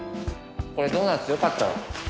これドーナツよかったら。